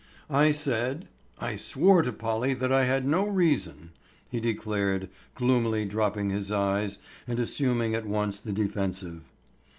"I said—I swore to Polly that I had no reason," he declared, gloomily dropping his eyes and assuming at once the defensive.